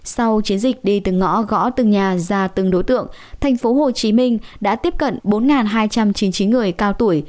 sau chiến dịch đi từ ngõ gõ từng nhà ra từng đối tượng thành phố hồ chí minh đã tiếp cận bốn hai trăm chín mươi chín người cao tuổi